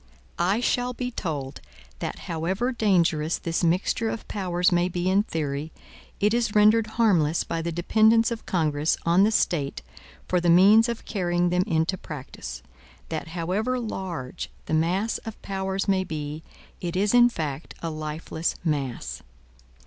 I shall be told, that however dangerous this mixture of powers may be in theory, it is rendered harmless by the dependence of Congress on the State for the means of carrying them into practice; that however large the mass of powers may be, it is in fact a lifeless mass.